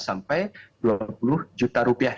delapan belas sampai dua puluh juta rupiah